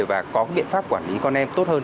và có biện pháp quản lý con em tốt hơn